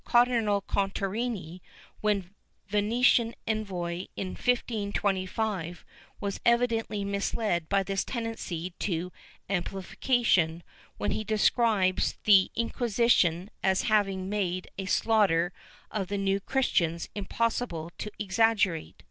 ^ Cardinal Contarini, when Venetian envoy in 1525, was evidently misled by this tendency to amplification, when he describes the Inquisition as having made a slaughter of the New Christians impossible to exaggerate.